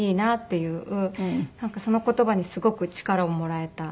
なんかその言葉にすごく力をもらえた。